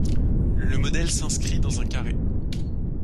Le modèle s'inscrit dans un carré.